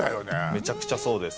めちゃくちゃそうです。